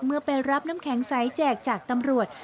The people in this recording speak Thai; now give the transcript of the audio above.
ไปรับน้ำแข็งใสแจกจากตำรวจ